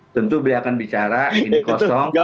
tentu beliau akan bicara ini kosong